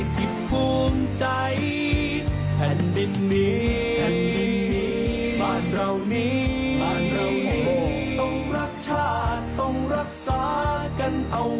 ด้วยหัวใจให้ทุกคน